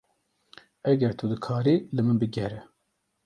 Eger tu dikarî, li min bigire.